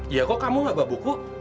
ya kok kamu gak bawa buku